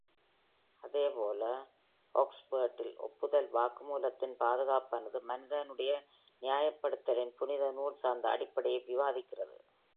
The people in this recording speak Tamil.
அதேபோல், Augsburg ஒப்புதல் வாக்குமூலத்தின் பாதுகாப்பானது, மனிதனுடைய நியாயப்படுத்தலின் புனித நூல் சார்ந்த அடிப்படையை விவாதிக்கிறது.